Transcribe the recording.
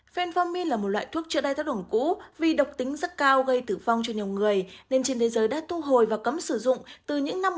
fenformin là một loại thuốc trị đai thác đường cũ vì độc tính rất cao gây tử vong cho nhiều người nên trên thế giới đã thu hồi và cấm sử dụng từ những năm một nghìn chín trăm bảy mươi